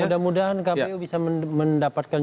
mudah mudahan kpu bisa mendapatkan